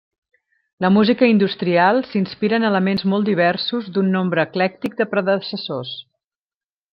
La música industrial s'inspira en elements molt diversos d'un nombre eclèctic de predecessors.